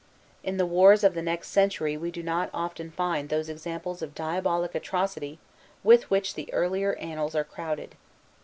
In the wars of the next century we do not often find those examples of diabolic atrocity with which the earlier annals are crowded.